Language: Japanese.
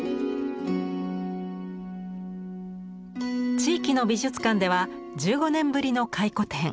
地域の美術館では１５年ぶりの回顧展。